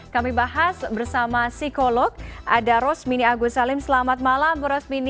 kami bahas bersama psikolog ada rosmini agus salim selamat malam rosmini